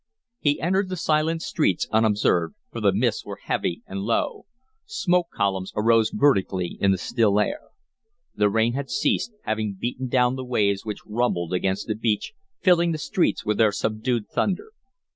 He entered the silent streets unobserved, for the mists were heavy and low. Smoke columns arose vertically in the still air. The rain had ceased, having beaten down the waves which rumbled against the beach, filling the streets with their subdued thunder.